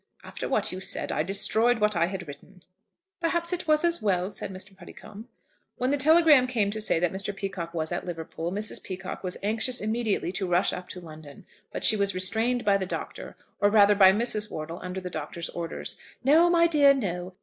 "After what you said I destroyed what I had written." "Perhaps it was as well," said Mr. Puddicombe. When the telegram came to say that Mr. Peacocke was at Liverpool, Mrs. Peacocke was anxious immediately to rush up to London. But she was restrained by the Doctor, or rather by Mrs. Wortle under the Doctor's orders. "No, my dear; no.